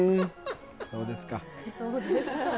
「そうですか」